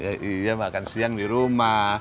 iya makan siang di rumah